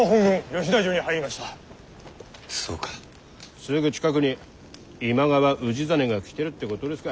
すぐ近くに今川氏真が来てるってことですか。